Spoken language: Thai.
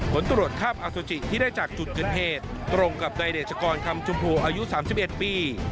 ผลตรวจคาบอสุจิที่ได้จากจุดเกิดเหตุตรงกับนายเดชกรคำชมพูอายุ๓๑ปี